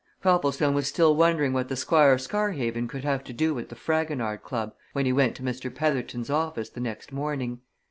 Copplestone was still wondering what the Squire of Scarhaven could have to do with the Fragonard Club when he went to Mr. Petherton's office the next morning.